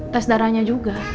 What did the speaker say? tes darahnya juga